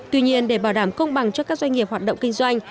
tuy nhiên để bảo đảm công bằng cho các doanh nghiệp hoạt động kinh doanh